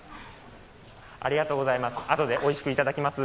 ありがとうございます。